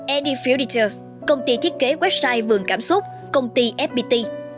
andy furtiters công ty thiết kế website vườn cảm xúc công ty fpt